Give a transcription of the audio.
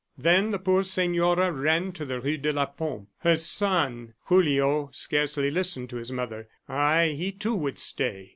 Then the poor senora ran to the rue de la Pompe. Her son! ... Julio scarcely listened to his mother. Ay! he, too, would stay.